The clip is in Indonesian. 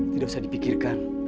tidak usah dipikirkan